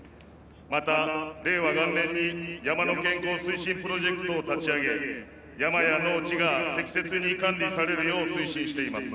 また令和元年に山の健康推進プロジェクトを立ち上げ山や農地が適切に管理されるよう推進しています。